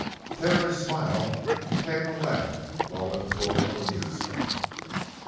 Taylor's smile became a laugh, low and full of amusement.